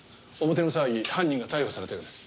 表の騒ぎ犯人が逮捕されたようです。